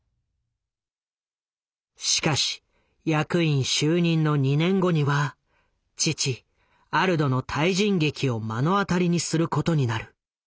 しかし役員就任の２年後には父アルドの退陣劇を目の当たりにすることになる。